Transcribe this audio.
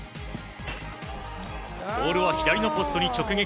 ボールは左のポストに直撃。